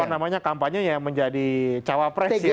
apa namanya kampanye ya menjadi cawapres ya